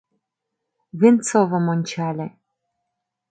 — Венцовым ончале.